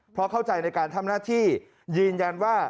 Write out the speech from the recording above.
เพราะเข้าใจในการทำหน้าที่ยืนยันว่า